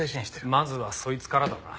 まずはそいつからだな。